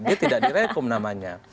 dia tidak direkom namanya